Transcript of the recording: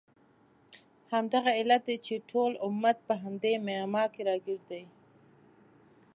همدغه علت دی چې نن ټول امت په همدې معما کې راګیر دی.